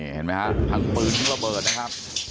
เฮ็ดมั้ยฮะทางปืนร่ะเบิดนะครับ